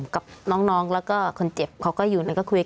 กับน้องแล้วก็คนเจ็บเขาก็อยู่แล้วก็คุยกัน